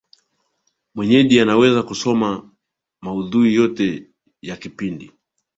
mwenyeji anaweza akasoma maudhui yote ya kipindi